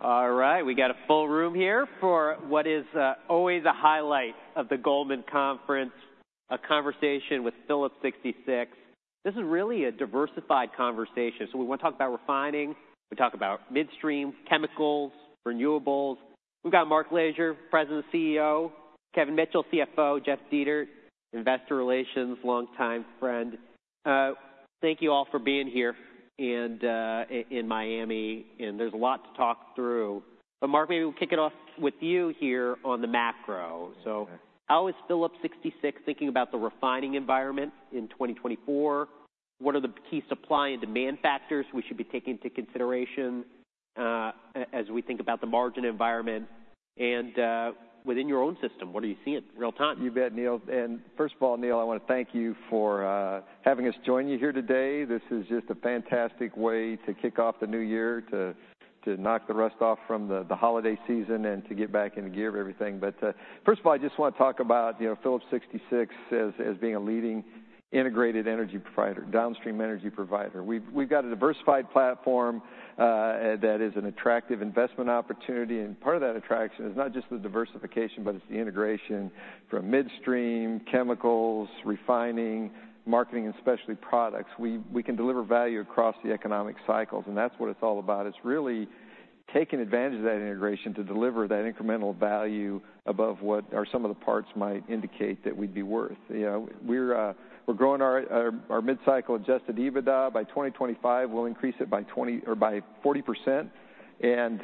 All right, we got a full room here for what is always a highlight of the Goldman Conference, a conversation with Phillips 66. This is really a diversified conversation. So we want to talk about refining. We talk about midstream, chemicals, renewables. We've got Mark Lashier, President and CEO, Kevin Mitchell, CFO, Jeff Dietert, Investor Relations, longtime friend. Thank you all for being here and in Miami, and there's a lot to talk through. But Mark, maybe we'll kick it off with you here on the macro. So how is Phillips 66 thinking about the refining environment in 2024? What are the key supply and demand factors we should be taking into consideration, as we think about the margin environment and within your own system, what are you seeing in real time? You bet, Neil. First of all, Neil, I want to thank you for having us join you here today. This is just a fantastic way to kick off the new year, to knock the rust off from the holiday season and to get back into gear of everything. First of all, I just want to talk about, you know, Phillips 66 as being a leading integrated energy provider, downstream energy provider. We've got a diversified platform that is an attractive investment opportunity, and part of that attraction is not just the diversification, but it's the integration from midstream, chemicals, refining, marketing, and especially products. We can deliver value across the economic cycles, and that's what it's all about. It's really taking advantage of that integration to deliver that incremental value above what our sum of the parts might indicate that we'd be worth. You know, we're growing our mid-cycle adjusted EBITDA. By 2025, we'll increase it by 40%. And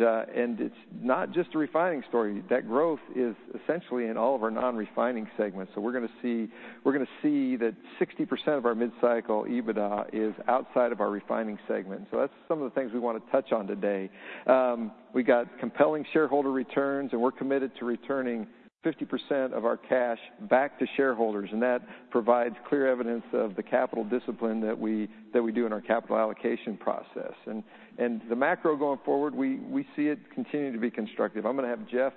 it's not just a refining story. That growth is essentially in all of our non-refining segments. So, we're going to see that 60% of our mid-cycle EBITDA is outside of our refining segment. So that's some of the things we want to touch on today. We got compelling shareholder returns, and we're committed to returning 50% of our cash back to shareholders, and that provides clear evidence of the capital discipline that we do in our capital allocation process. And the macro going forward, we see it continuing to be constructive. I'm going to have Jeff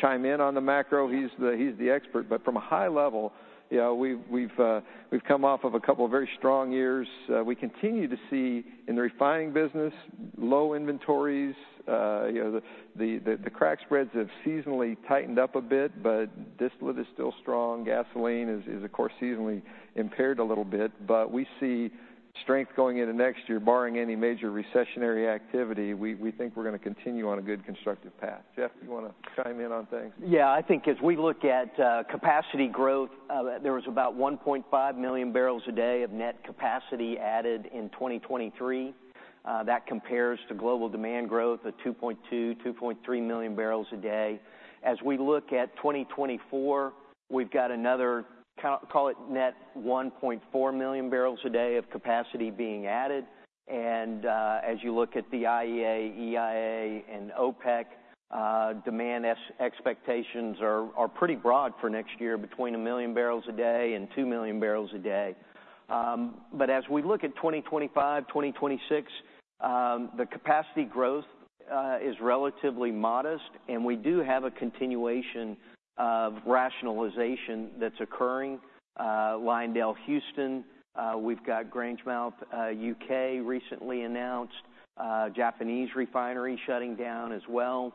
chime in on the macro. He's the expert, but from a high level, you know, we've come off of a couple of very strong years. We continue to see, in the refining business, low inventories. You know, the crack spreads have seasonally tightened up a bit, but distillate is still strong. Gasoline is, of course, seasonally impaired a little bit, but we see strength going into next year, barring any major recessionary activity. We think we're going to continue on a good constructive path. Jeff, you want to chime in on things? Yeah. I think as we look at capacity growth, there was about 1.5 million barrels a day of net capacity added in 2023. That compares to global demand growth of 2.2-2.3 million barrels a day. As we look at 2024, we've got another, call it net 1.4 million barrels a day of capacity being added. And as you look at the IEA, EIA, and OPEC, demand expectations are pretty broad for next year, between 1 million barrels a day and 2 million barrels a day. But as we look at 2025, 2026, the capacity growth is relatively modest, and we do have a continuation of rationalization that's occurring. LyondellBasell Houston, we've got Grangemouth, U.K. recently announced, Japanese refinery shutting down as well.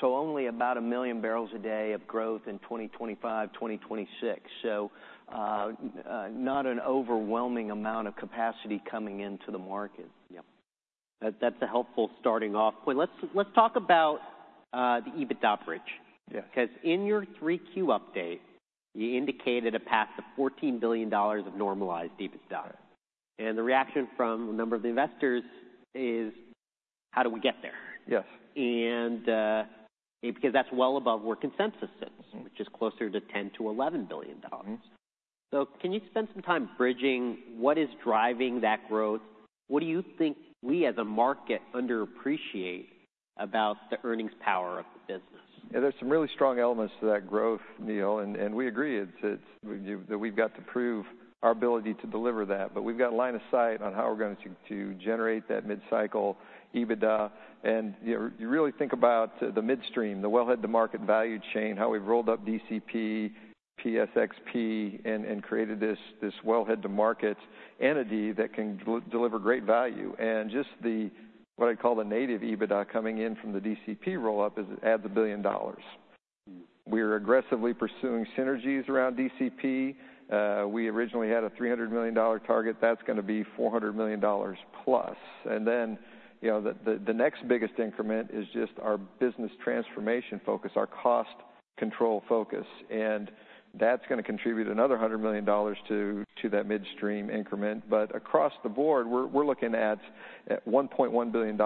So only about 1 million barrels a day of growth in 2025, 2026. So, not an overwhelming amount of capacity coming into the market. Yeah. That's a helpful starting off point. Let's talk about the EBITDA bridge. Yeah. 'Cause in your 3Q update, you indicated a path to $14 billion of normalized EBITDA. Right. The reaction from a number of the investors is: How do we get there? Yes. Because that's well above where consensus sits- Mm-hmm. which is closer to $10 billion-$11 billion. Mm-hmm. Can you spend some time bridging what is driving that growth? What do you think we, as a market, underappreciate about the earnings power of the business? Yeah, there's some really strong elements to that growth, Neil, and we agree, it's that we've got to prove our ability to deliver that. But we've got line of sight on how we're going to generate that mid-cycle EBITDA. And, you know, you really think about the midstream, the wellhead-to-market value chain, how we've rolled up DCP, PSXP, and created this wellhead-to-market entity that can deliver great value. And just the, what I call the native EBITDA, coming in from the DCP roll-up, adds $1 billion. Mm. We are aggressively pursuing synergies around DCP. We originally had a $300 million target. That's going to be $400+ million. And then, you know, the next biggest increment is just our business transformation focus, our cost control focus, and that's going to contribute another $100 million to that midstream increment. But across the board, we're looking at $1.1 billion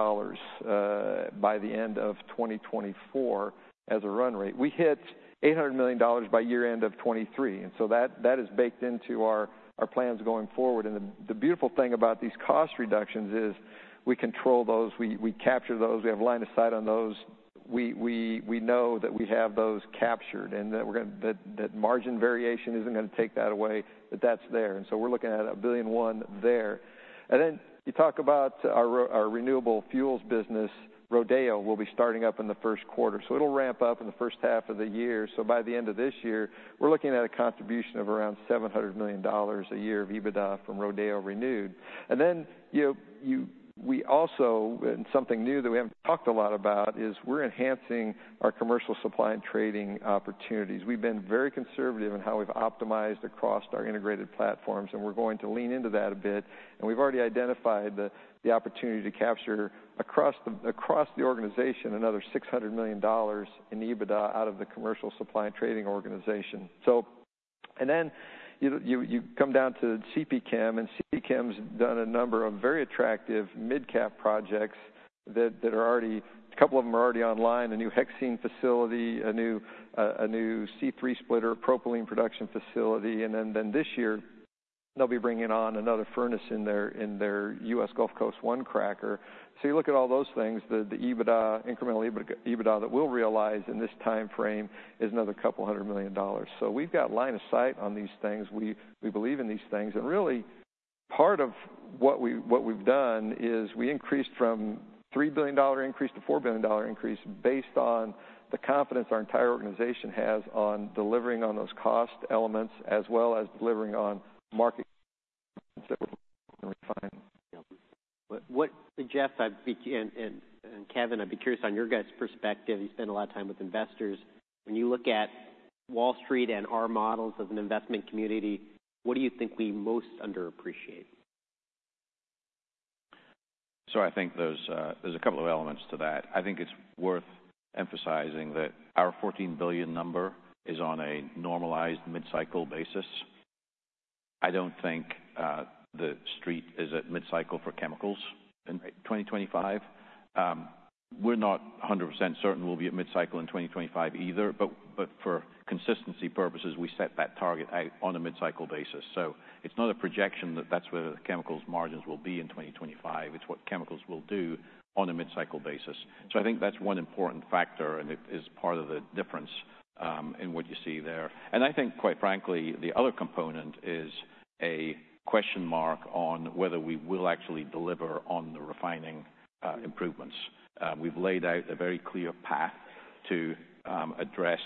by the end of 2024 as a run rate. We hit $800 million by year-end of 2023, and so that is baked into our plans going forward. And the beautiful thing about these cost reductions is we control those, we capture those, we have line of sight on those. We know that we have those captured and that we're going to—that margin variation isn't going to take that away, that that's there, and so we're looking at $1.1 billion there. Then you talk about our renewable fuels business. Rodeo will be starting up in the first quarter, so it'll ramp up in the first half of the year. By the end of this year, we're looking at a contribution of around $700 million a year of EBITDA from Rodeo Renewed. And then, you know, we also, and something new that we haven't talked a lot about, is we're enhancing our commercial supply and trading opportunities. We've been very conservative in how we've optimized across our integrated platforms, and we're going to lean into that a bit. And we've already identified the opportunity to capture across the organization, another $600 million in EBITDA out of the commercial supply and trading organization. So, and then you come down to CPChem, and CPChem's done a number of very attractive mid-cap projects that are already—a couple of them are already online, a new hexene facility, a new C3 splitter propylene production facility. And then this year, they'll be bringing on another furnace in their U.S. Gulf Coast one cracker. So you look at all those things, the EBITDA, incremental EBITDA, EBITDA that we'll realize in this timeframe is another $200 million. So we've got line of sight on these things. We believe in these things. Really, part of what we've done is we increased from a $3 billion increase to a $4 billion increase based on the confidence our entire organization has on delivering on those cost elements, as well as delivering on market. What, Jeff, I'd be... And Kevin, I'd be curious on your guys' perspective. You spend a lot of time with investors. When you look at Wall Street and our models as an investment community, what do you think we most underappreciate? So I think there's, there's a couple of elements to that. I think it's worth emphasizing that our $14 billion number is on a normalized mid-cycle basis. I don't think, the Street is at mid-cycle for chemicals in 2025. We're not 100% certain we'll be at mid-cycle in 2025 either, but, but for consistency purposes, we set that target out on a mid-cycle basis. So it's not a projection that that's where the chemicals margins will be in 2025. It's what chemicals will do on a mid-cycle basis. So I think that's one important factor, and it is part of the difference, in what you see there. And I think, quite frankly, the other component is a question mark on whether we will actually deliver on the refining, improvements. We've laid out a very clear path to address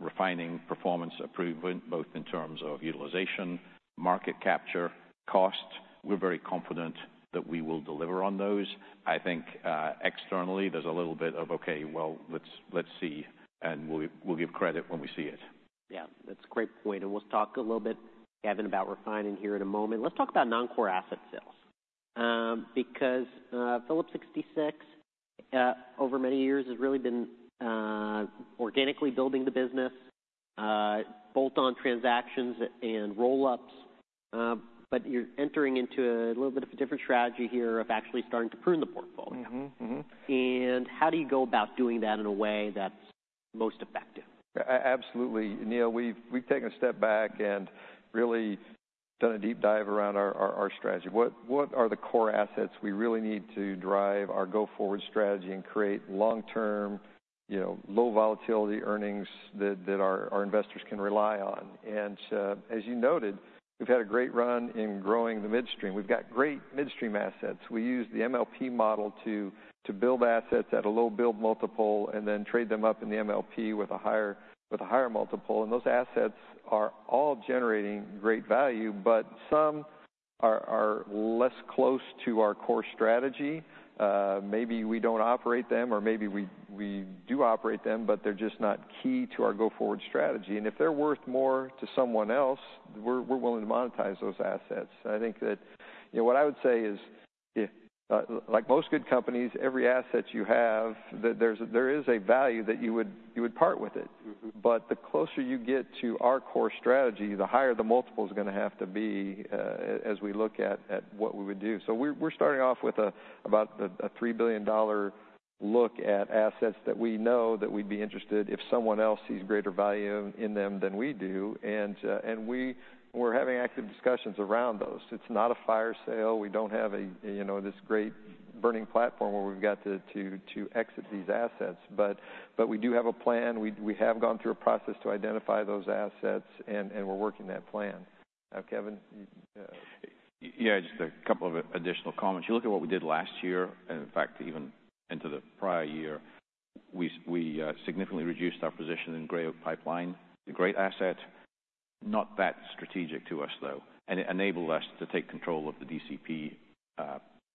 refining performance improvement, both in terms of utilization, market capture, cost. We're very confident that we will deliver on those. I think, externally, there's a little bit of: Okay, well, let's see, and we'll give credit when we see it. Yeah, that's a great point, and we'll talk a little bit, Kevin, about refining here in a moment. Let's talk about non-core asset sales, because Phillips 66, over many years, has really been organically building the business, bolt-on transactions and roll-ups. But you're entering into a little bit of a different strategy here of actually starting to prune the portfolio. Mm-hmm. Mm-hmm. How do you go about doing that in a way that's most effective? Absolutely. Neil, we've taken a step back and really done a deep dive around our strategy. What are the core assets we really need to drive our go-forward strategy and create long-term, you know, low volatility earnings that our investors can rely on? And, as you noted, we've had a great run in growing the midstream. We've got great midstream assets. We use the MLP model to build assets at a low build multiple and then trade them up in the MLP with a higher multiple. And those assets are all generating great value, but some are less close to our core strategy. Maybe we don't operate them, or maybe we do operate them, but they're just not key to our go-forward strategy. If they're worth more to someone else, we're willing to monetize those assets. I think that, you know, what I would say is, if, like most good companies, every asset you have, that there is a value that you would part with it. Mm-hmm. But the closer you get to our core strategy, the higher the multiple is going to have to be, as we look at what we would do. So, we're starting off with about a $3 billion look at assets that we know that we'd be interested if someone else sees greater value in them than we do. And we’re having active discussions around those. It's not a fire sale. We don't have a, you know, this great burning platform where we've got to exit these assets. But we do have a plan. We have gone through a process to identify those assets, and we're working that plan. Kevin? Yeah, just a couple of additional comments. You look at what we did last year, and in fact, even into the prior year, we significantly reduced our position in Gray Oak Pipeline. A great asset, not that strategic to us, though, and it enabled us to take control of the DCP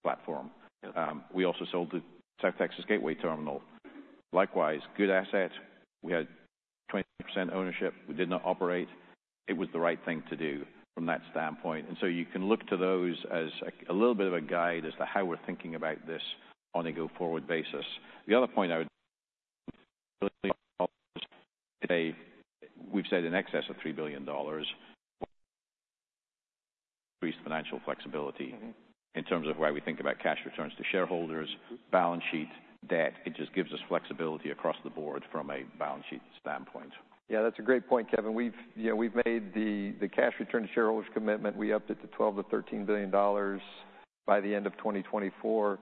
platform. Yeah. We also sold the South Texas Gateway Terminal. Likewise, good asset. We had 20% ownership. We did not operate. It was the right thing to do from that standpoint. And so you can look to those as a little bit of a guide as to how we're thinking about this on a go-forward basis. The other point I would... We've said in excess of $3 billion, increased financial flexibility- Mm-hmm In terms of why we think about cash returns to shareholders, balance sheet, debt. It just gives us flexibility across the board from a balance sheet standpoint. Yeah, that's a great point, Kevin. We've, you know, we've made the cash return to shareholders commitment. We upped it to $12 billion-$13 billion by the end of 2024.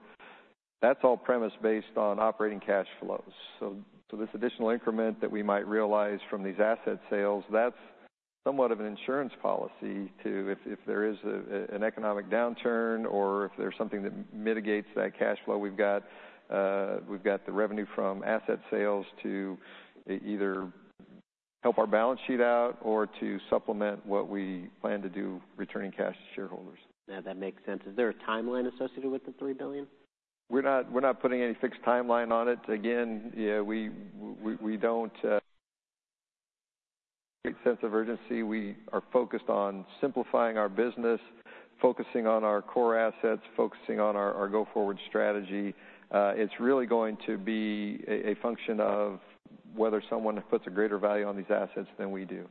That's all premised based on operating cash flows. So this additional increment that we might realize from these asset sales, that's somewhat of an insurance policy to if there is an economic downturn or if there's something that mitigates that cash flow, we've got we've got the revenue from asset sales to either help our balance sheet out or to supplement what we plan to do, returning cash to shareholders. Yeah, that makes sense. Is there a timeline associated with the $3 billion? We're not, we're not putting any fixed timeline on it. Again, yeah, we don't sense of urgency. We are focused on simplifying our business, focusing on our core assets, focusing on our go-forward strategy. It's really going to be a function of whether someone puts a greater value on these assets than we do.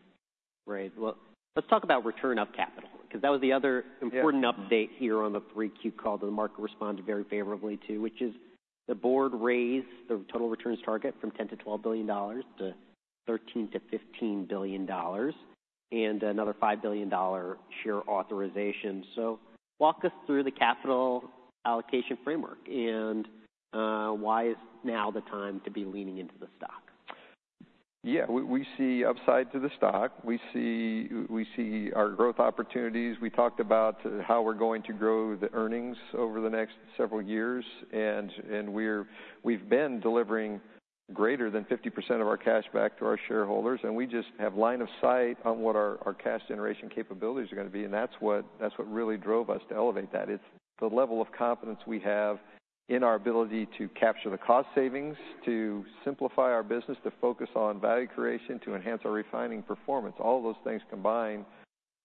Right. Well, let's talk about return of capital, cause that was the other- Yeah. Important update here on the 3Q call that the market responded very favorably to, which is the board raised the total returns target from $10 billion-$12 billion to $13 billion-$15 billion, and another $5 billion share authorization. So, walk us through the capital allocation framework, and why is now the time to be leaning into the stock? Yeah, we see upside to the stock. We see our growth opportunities. We talked about how we're going to grow the earnings over the next several years, and we've been delivering greater than 50% of our cash back to our shareholders, and we just have line of sight on what our cash generation capabilities are going to be, and that's what really drove us to elevate that. It's the level of confidence we have in our ability to capture the cost savings, to simplify our business, to focus on value creation, to enhance our refining performance. All of those things combine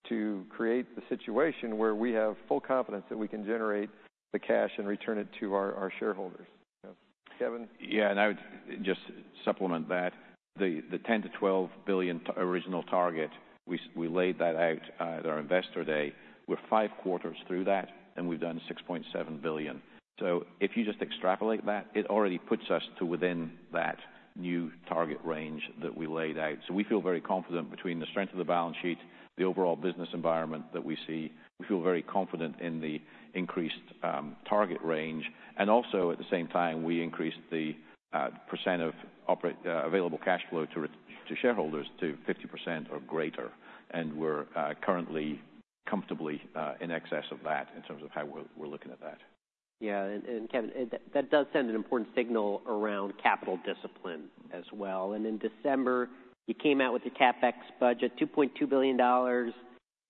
to create the situation where we have full confidence that we can generate the cash and return it to our shareholders. So, Kevin? Yeah, and I would just supplement that. The $10 billion-$12 billion original target, we laid that out at our Investor Day. We're five quarters through that, and we've done $6.7 billion. So, if you just extrapolate that, it already puts us to within that new target range that we laid out. So we feel very confident between the strength of the balance sheet, the overall business environment that we see. We feel very confident in the increased target range. And also, at the same time, we increased the percent of operating available cash flow to return to shareholders to 50% or greater, and we're currently comfortably in excess of that in terms of how we're looking at that. Yeah, and, and Kevin, that does send an important signal around capital discipline as well. And in December, you came out with the CapEx budget, $2.2 billion, $900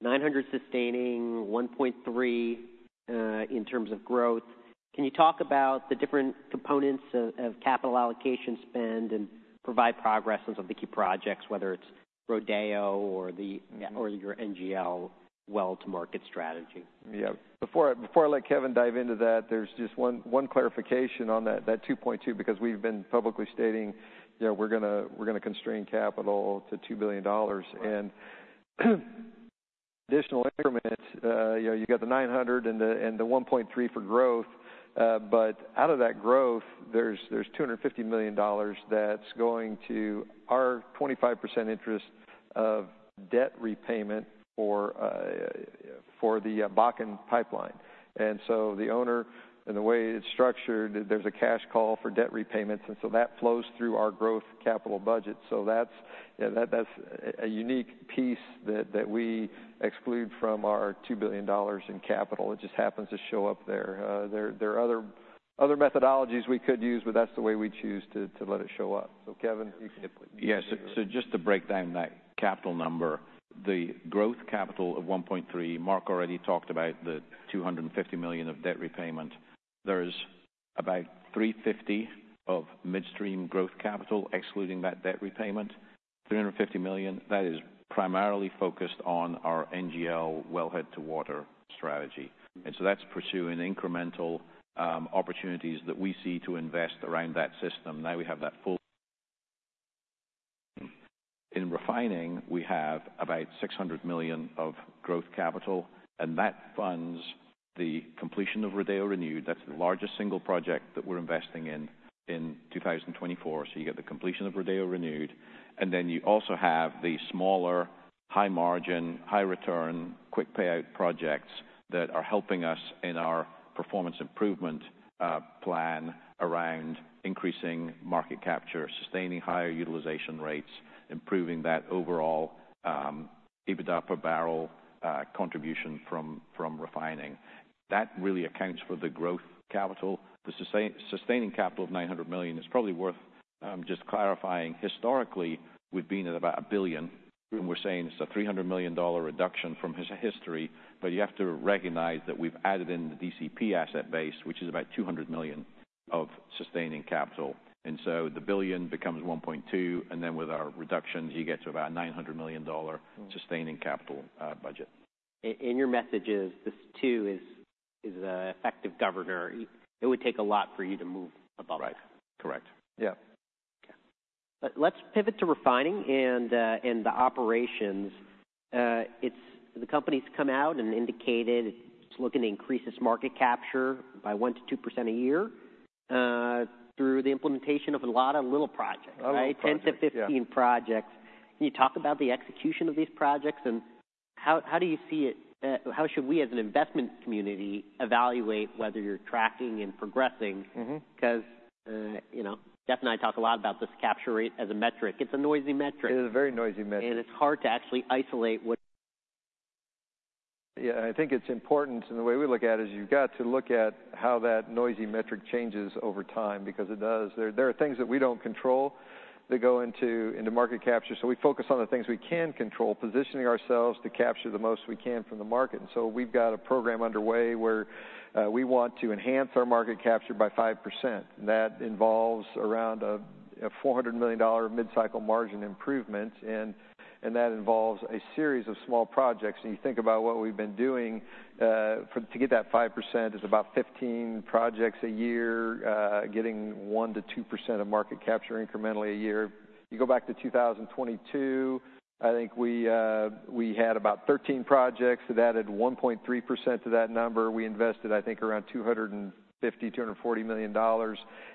million sustaining, $1.3 billion in terms of growth. Can you talk about the different components of capital allocation spend and provide progress on some of the key projects, whether it's Rodeo or the- Yeah... or your NGL well-to-market strategy? Yeah. Before I let Kevin dive into that, there's just one clarification on that 2.2, because we've been publicly stating, you know, we're going to constrain capital to $2 billion. Right. And additional increments, you know, you got the $900 million and the $1.3 billion for growth, but out of that growth, there's $250 million that's going to our 25% interest of debt repayment for the Bakken Pipeline. And so, the owner, and the way it's structured, there's a cash call for debt repayments, and so that flows through our growth capital budget. So that's a unique piece that we exclude from our $2 billion in capital. It just happens to show up there. There are other methodologies we could use, but that's the way we choose to let it show up. So, Kevin, you can- Yes. So just to break down that capital number, the growth capital of $1.3 billion, Mark already talked about the $250 million of debt repayment. There's about $350 million of midstream growth capital, excluding that debt repayment. $350 million, that is primarily focused on our NGL wellhead-to-water strategy. And so that's pursuing incremental opportunities that we see to invest around that system. Now in refining, we have about $600 million of growth capital, and that funds the completion of Rodeo Renewed. That's the largest single project that we're investing in in 2024. So you get the completion of Rodeo Renewed, and then you also have the smaller, high margin, high return, quick payout projects that are helping us in our performance improvement plan around increasing market capture, sustaining higher utilization rates, improving that overall EBITDA per barrel contribution from refining. That really accounts for the growth capital. The sustaining capital of $900 million is probably worth just clarifying. Historically, we've been at about $1 billion, and we're saying it's a $300 million reduction from history, but you have to recognize that we've added in the DCP asset base, which is about $200 million of sustaining capital. And so the billion becomes $1.2 billion, and then with our reductions, you get to about $900 million Mm-hmm. - sustaining capital, budget. Your message is this, too, is an effective governor. It would take a lot for you to move above. Right. Correct. Yeah. Okay. Let's pivot to refining and the operations. It's... The company's come out and indicated it's looking to increase its market capture by 1%-2% a year through the implementation of a lot of little projects, right? Little projects. 10 to 15 projects. Yeah. Can you talk about the execution of these projects, and how, how do you see it, how should we, as an investment community, evaluate whether you're tracking and progressing? Mm-hmm. Cause, you know, Jeff and I talk a lot about this capture rate as a metric. It's a noisy metric. It is a very noisy metric. It's hard to actually isolate what- ... Yeah, I think it's important, and the way we look at it is you've got to look at how that noisy metric changes over time, because it does. There are things that we don't control that go into market capture, so we focus on the things we can control, positioning ourselves to capture the most we can from the market. And so we've got a program underway where we want to enhance our market capture by 5%. And that involves around a $400 million mid-cycle margin improvement, and that involves a series of small projects. And you think about what we've been doing to get that 5% is about 15 projects a year, getting 1%-2% of market capture incrementally a year. You go back to 2022, I think we had about 13 projects that added 1.3% to that number. We invested, I think, around $240 million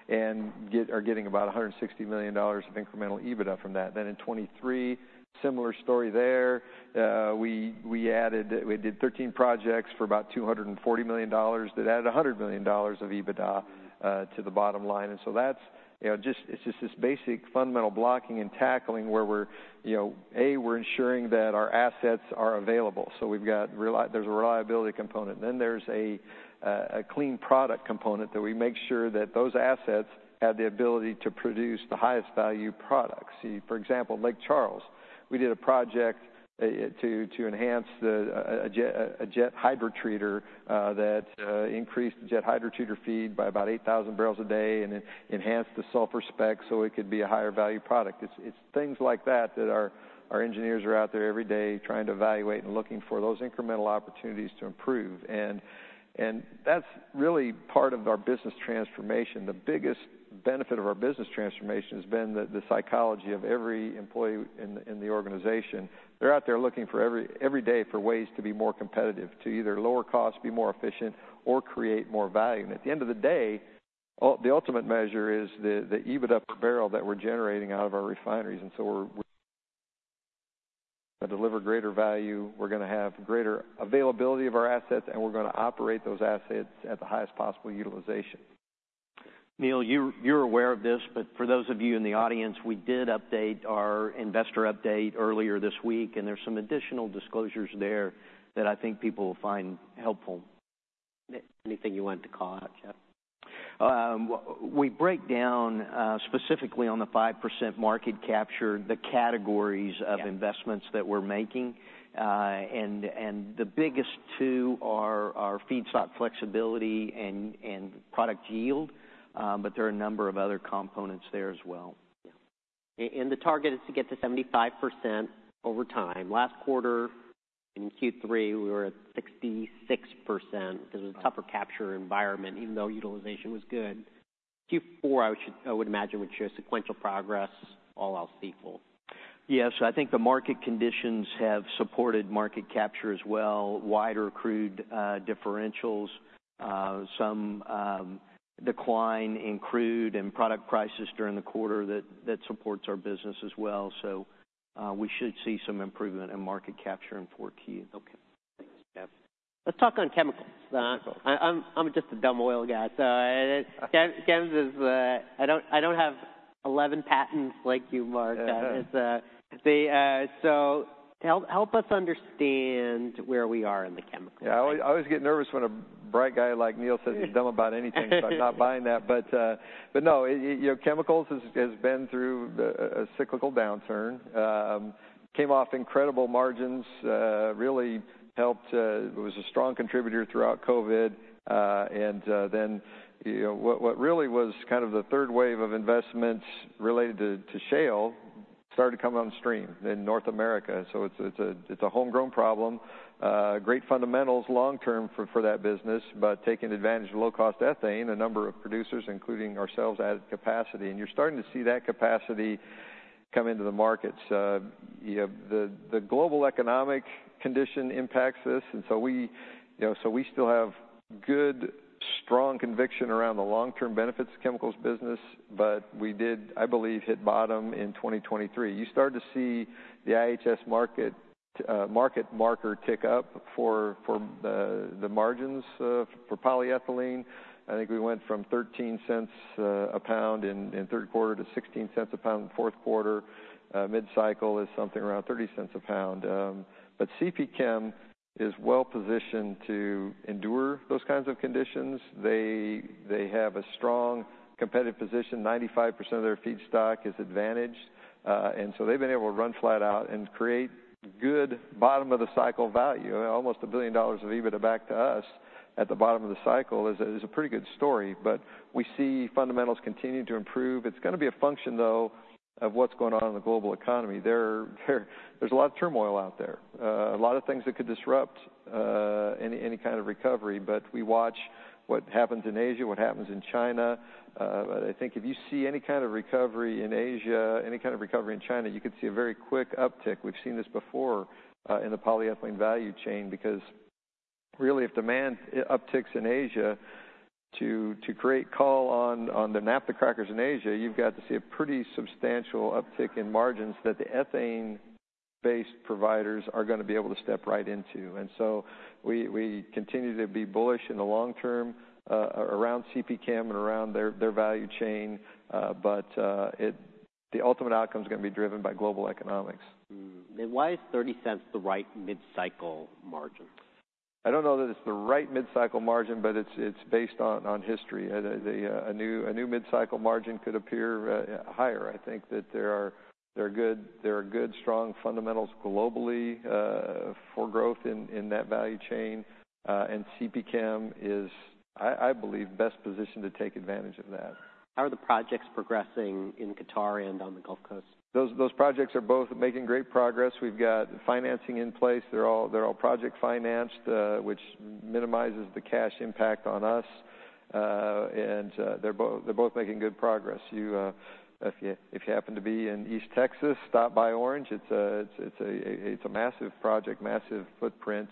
and are getting about $160 million of incremental EBITDA from that. Then in 2023, similar story there, we did 13 projects for about $240 million. That added $100 million of EBITDA to the bottom line. And so that's, you know, just, it's just this basic fundamental blocking and tackling where we're, you know, A, we're ensuring that our assets are available, so we've got reli- there's a reliability component. Then there's a clean product component that we make sure that those assets have the ability to produce the highest value products. See, for example, Lake Charles, we did a project to enhance a jet hydrotreater that increased jet hydrotreater feed by about 8,000 barrels a day and enhanced the sulfur specs so it could be a higher value product. It's things like that that our engineers are out there every day trying to evaluate and looking for those incremental opportunities to improve. And that's really part of our business transformation. The biggest benefit of our business transformation has been the psychology of every employee in the organization. They're out there looking every day for ways to be more competitive, to either lower cost, be more efficient, or create more value. And at the end of the day, the ultimate measure is the EBITDA per barrel that we're generating out of our refineries. So, we're delivering greater value, we're going to have greater availability of our assets, and we're going to operate those assets at the highest possible utilization. Neil, you're aware of this, but for those of you in the audience, we did update our investor update earlier this week, and there's some additional disclosures there that I think people will find helpful. Anything you want to call out, Jeff? We break down specifically on the 5% market capture, the categories- Yeah... of investments that we're making. And the biggest two are feedstock flexibility and product yield, but there are a number of other components there as well. Yeah. And the target is to get to 75% over time. Last quarter, in Q3, we were at 66%. Right. It was a tougher capture environment, even though utilization was good. Q4, I would imagine, would show sequential progress, all else equal. Yes, I think the market conditions have supported market capture as well. Wider crude differentials, some decline in crude and product prices during the quarter that supports our business as well. So, we should see some improvement in market capture in 4Q. Okay. Thanks, Jeff. Let's talk on chemicals. Okay. I'm just a dumb oil guy, so chems is, I don't have 11 patents like you, Mark. It's... So help us understand where we are in the chemicals. Yeah, I always, I always get nervous when a bright guy like Neil says he's dumb about anything. So I'm not buying that. But, but no, you know, chemicals has been through a cyclical downturn. Came off incredible margins, really helped, it was a strong contributor throughout COVID. And, then, you know, what really was kind of the third wave of investments related to shale started to come on stream in North America. So it's a homegrown problem. Great fundamentals long term for that business, but taking advantage of low-cost ethane, a number of producers, including ourselves, added capacity. And you're starting to see that capacity come into the markets. You know, the global economic condition impacts this, and so we, you know, so we still have good, strong conviction around the long-term benefits of chemicals business. But we did, I believe, hit bottom in 2023. You start to see the IHS Markit marker tick up for the margins for polyethylene. I think we went from $0.13 a pound in third quarter to $0.16 a pound in fourth quarter. Mid-cycle is something around $0.30 a pound. But CPChem is well-positioned to endure those kinds of conditions. They have a strong competitive position. 95% of their feedstock is advantaged, and so they've been able to run flat out and create good bottom-of-the-cycle value. Almost $1 billion of EBITDA back to us at the bottom of the cycle is a, is a pretty good story. But we see fundamentals continuing to improve. It's going to be a function, though, of what's going on in the global economy. There's a lot of turmoil out there, a lot of things that could disrupt any kind of recovery. But we watch what happens in Asia, what happens in China. But I think if you see any kind of recovery in Asia, any kind of recovery in China, you could see a very quick uptick. We've seen this before in the polyethylene value chain, because really, if demand upticks in Asia to create call on the naphtha crackers in Asia, you've got to see a pretty substantial uptick in margins that the ethane-based providers are going to be able to step right into. And so, we continue to be bullish in the long term around CPChem and around their value chain, but the ultimate outcome is going to be driven by global economics. Hmm. Then why is $0.30 the right mid-cycle margin? I don't know that it's the right mid-cycle margin, but it's based on history. A new mid-cycle margin could appear higher. I think that there are good, strong fundamentals globally for growth in that value chain, and CPChem is, I believe, best positioned to take advantage of that. How are the projects progressing in Qatar and on the Gulf Coast? Those projects are both making great progress. We've got financing in place. They're all project financed, which minimizes the cash impact on us. And they're both making good progress. You, if you happen to be in East Texas, stop by Orange. It's a massive project, massive footprint.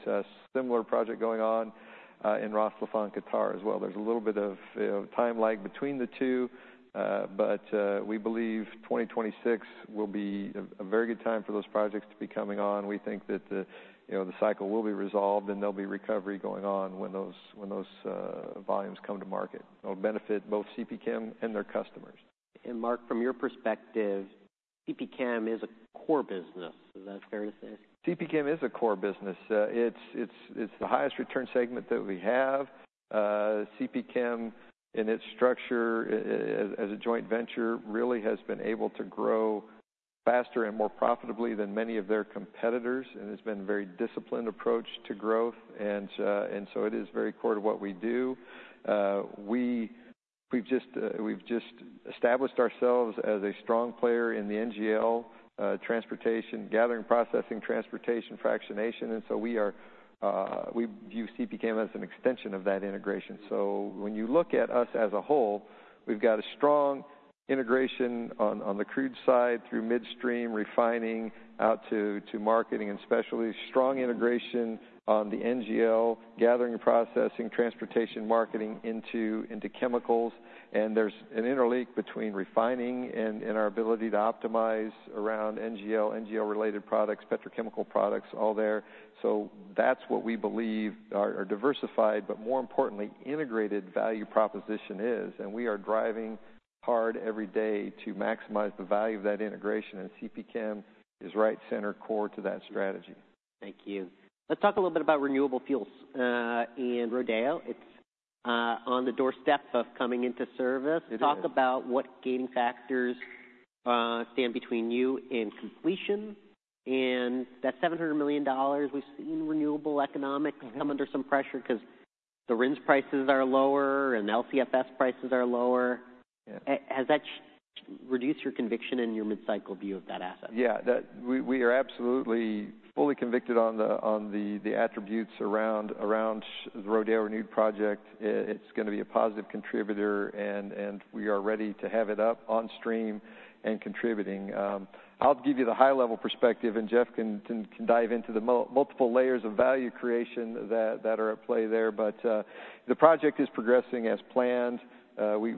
Similar project going on in Ras Laffan, Qatar, as well. There's a little bit of time lag between the two, but we believe 2026 will be a very good time for those projects to be coming on. We think that you know, the cycle will be resolved, and there'll be recovery going on when those volumes come to market. It'll benefit both CPChem and their customers. Mark, from your perspective, CPChem is a core business. Is that fair to say? CPChem is a core business. It's the highest return segment that we have. CPChem, in its structure, as a joint venture, really has been able to grow faster and more profitably than many of their competitors, and has been a very disciplined approach to growth, and so it is very core to what we do. We've just established ourselves as a strong player in the NGL transportation—gathering, processing, transportation, fractionation. So we are, we view CPChem as an extension of that integration. So when you look at us as a whole, we've got a strong integration on the crude side through midstream refining out to marketing and specialty. Strong integration on the NGL, gathering and processing, transportation, marketing into chemicals. There's an interlink between refining and our ability to optimize around NGL, NGL-related products, petrochemical products, all there. So that's what we believe our diversified, but more importantly, integrated value proposition is, and we are driving hard every day to maximize the value of that integration, and CPChem is right center core to that strategy. Thank you. Let's talk a little bit about renewable fuels, and Rodeo. It's on the doorstep of coming into service. It is. Talk about what gating factors stand between you and completion. And that $700 million we've seen in renewable economics- Mm-hmm. -come under some pressure because the RINs prices are lower and LCFS prices are lower. Yeah. Has that reduced your conviction in your mid-cycle view of that asset? Yeah, that—we are absolutely fully convicted on the attributes around Rodeo Renewed project. It's going to be a positive contributor, and we are ready to have it up on stream and contributing. I'll give you the high-level perspective, and Jeff can dive into the multiple layers of value creation that are at play there. But the project is progressing as planned.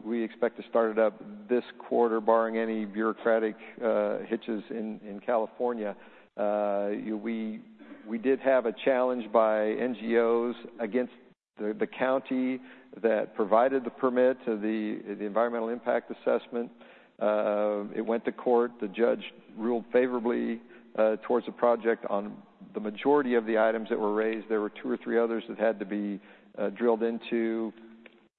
We expect to start it up this quarter, barring any bureaucratic hitches in California. We did have a challenge by NGOs against the county that provided the permit to the environmental impact assessment. It went to court. The judge ruled favorably towards the project on the majority of the items that were raised. There were two or three others that had to be drilled into.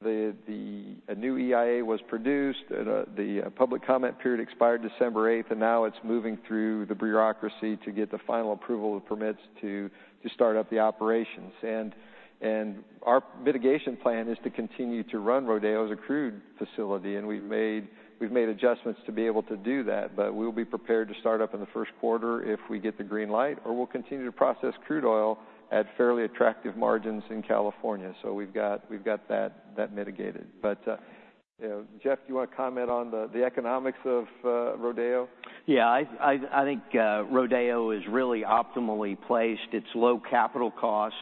A new EIA was produced. The public comment period expired December eighth, and now it's moving through the bureaucracy to get the final approval of permits to start up the operations. Our mitigation plan is to continue to run Rodeo as a crude facility, and we've made adjustments to be able to do that. But we'll be prepared to start up in the first quarter if we get the green light, or we'll continue to process crude oil at fairly attractive margins in California. So, we've got that mitigated. But Jeff, do you want to comment on the economics of Rodeo? Yeah. I think Rodeo is really optimally placed. It's low capital cost.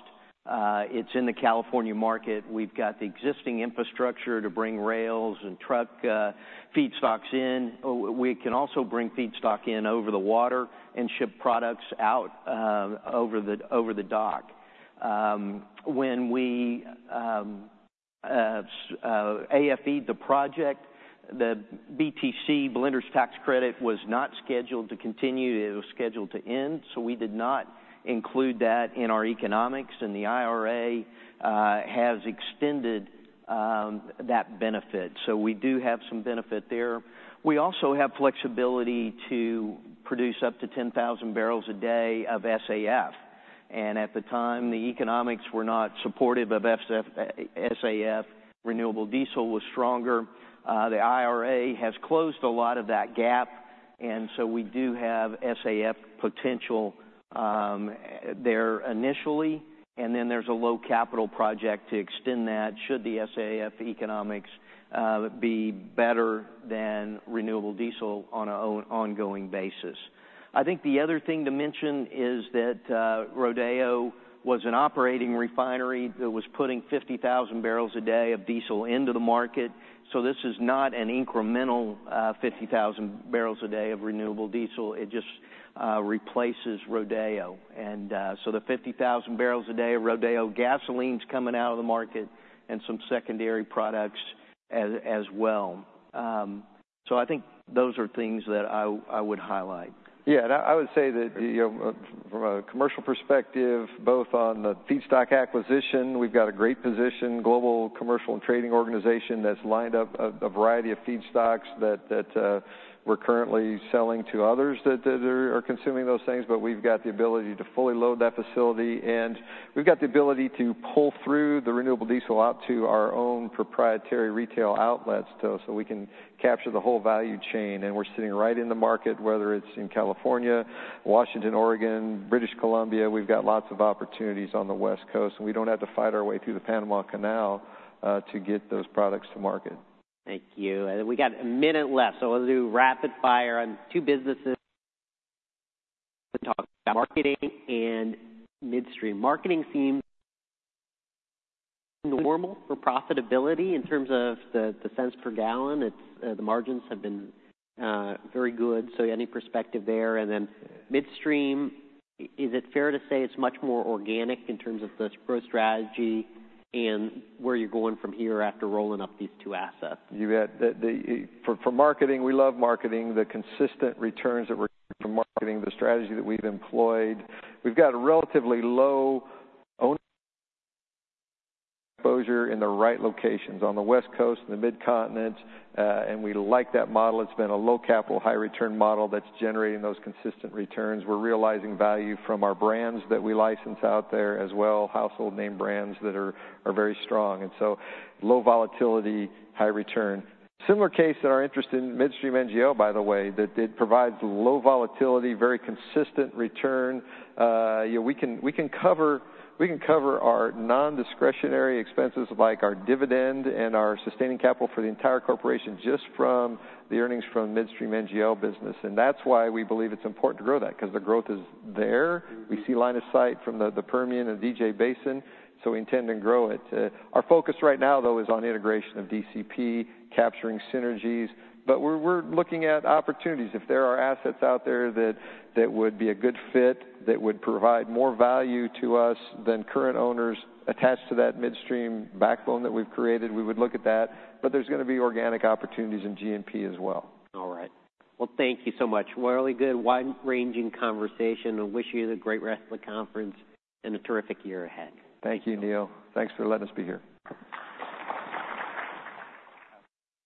It's in the California market. We've got the existing infrastructure to bring rails and truck feedstocks in. We can also bring feedstock in over the water and ship products out over the dock. When we AFE the project, the BTC, blenders tax credit, was not scheduled to continue. It was scheduled to end, so we did not include that in our economics, and the IRA has extended that benefit. So, we do have some benefit there. We also have flexibility to produce up to 10,000 barrels a day of SAF, and at the time, the economics were not supportive of SAF. Renewable diesel was stronger. The IRA has closed a lot of that gap, and so we do have SAF potential there initially, and then there's a low capital project to extend that, should the SAF economics be better than renewable diesel on an ongoing basis. I think the other thing to mention is that Rodeo was an operating refinery that was putting 50,000 barrels a day of diesel into the market. So, this is not an incremental 50,000 barrels a day of renewable diesel. It just replaces Rodeo. And so, the 50,000 barrels a day of Rodeo gasoline's coming out of the market and some secondary products as well. So, I think those are things that I would highlight. Yeah, and I, I would say that, you know, from a commercial perspective, both on the feedstock acquisition, we've got a great position, global commercial and trading organization that's lined up a, a variety of feedstocks that, that, we're currently selling to others that, that are consuming those things. But we've got the ability to fully load that facility, and we've got the ability to pull through the Renewable Diesel out to our own proprietary retail outlets, too, so we can capture the whole value chain. And we're sitting right in the market, whether it's in California, Washington, Oregon, British Columbia. We've got lots of opportunities on the West Coast, and we don't have to fight our way through the Panama Canal to get those products to market. Thank you. And we got a minute left, so we'll do rapid fire on two businesses: marketing and midstream. Marketing seems normal for profitability in terms of the cents per gallon. It's the margins have been very good. So, any perspective there? And then midstream, is it fair to say it's much more organic in terms of the growth strategy and where you're going from here after rolling up these two assets? You bet. For marketing, we love marketing. The consistent returns that we're from marketing, the strategy that we've employed. We've got a relatively low owner exposure in the right locations, on the West Coast, in the Mid-Continent, and we like that model. It's been a low capital, high return model that's generating those consistent returns. We're realizing value from our brands that we license out there as well, household name brands that are very strong. And so low volatility, high return. Similar case that our interest in Midstream NGL, by the way, that it provides low volatility, very consistent return. We can cover our nondiscretionary expenses, like our dividend and our sustaining capital for the entire corporation, just from the earnings from Midstream NGL business. And that's why we believe it's important to grow that, because the growth is there. We see line of sight from the Permian and DJ Basin, so we intend to grow it. Our focus right now, though, is on integration of DCP, capturing synergies, but we're looking at opportunities. If there are assets out there that would be a good fit, that would provide more value to us than current owners attached to that midstream backbone that we've created, we would look at that, but there's going to be organic opportunities in G&P as well. All right. Well, thank you so much. Really good, wide-ranging conversation. I wish you the great rest of the conference and a terrific year ahead. Thank you, Neil. Thanks for letting us be here.